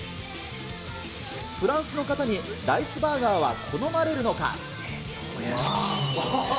フランスの方にライスバーガーは好まれるのか。